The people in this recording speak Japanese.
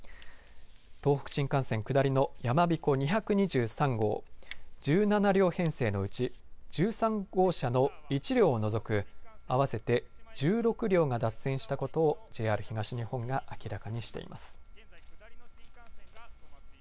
東北新幹線下りのやまびこ２２３号１７両編成のうち１３号車の一両を除く合わせて１６両が脱線したことをＪＲ東日本が明らかにしています。